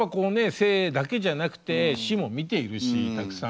生だけじゃなくて死も見ているしたくさん。